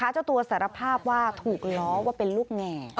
เจ้าตัวสารภาพว่าถูกล้อว่าเป็นลูกแง่